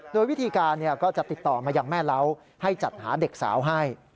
โดยวิธีการก็จะติดต่อมายังแม่เล้าให้จัดหาเด็กสาวให้